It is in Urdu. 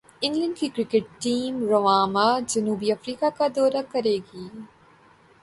انگلینڈ کی کرکٹ ٹیم رواں ماہ جنوبی افریقہ کا دورہ کرے گی